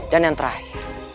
dan yang terakhir